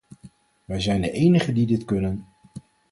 Wij zijn de enigen die dit kunnen.